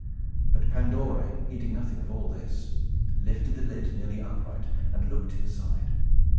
But Pandora, heeding nothing of all this, lifted the lid nearly upright, and looked inside.